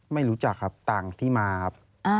ไม่รู้จักครับต่างที่มาครับ